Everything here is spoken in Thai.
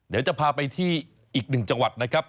เดี๋ยวจะพาไปที่อีกหนึ่งจังหวัดนะครับ